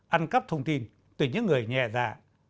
ăn cắp thông tin từ những người nhẹ dạ